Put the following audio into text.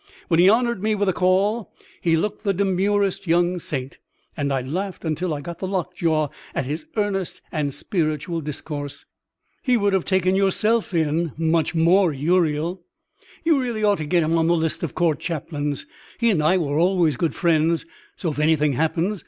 When he honored me with a call he looked the demurest young saint, and I laughed till I got the lockjaw at his earnest and spiritual discourse. He would have taken yourself in, much more Uriel. You really ought to get him on the list of court chaplains. He and I were always good friends, so if anything happens....